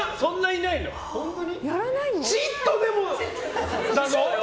ちっとでも！だぞ。